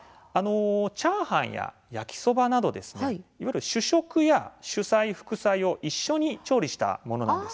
チャーハンや焼きそばなどいわゆる主菜、副菜を一緒に調理したものなんです。